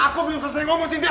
aku belum selesai ngomong cynthia